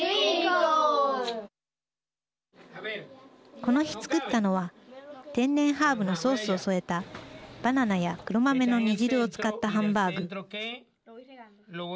この日作ったのは天然ハーブのソースを添えたバナナや黒豆の煮汁を使ったハンバーグ。